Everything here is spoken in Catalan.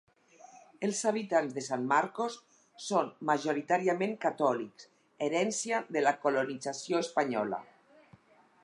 Els habitants de San Marcos són majoritàriament catòlics, herència de la colonització espanyola.